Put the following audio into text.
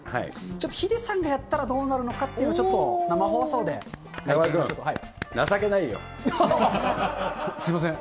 ちょっとヒデさんがやったらどうなるのかというのをちょっと、中丸君、すみません。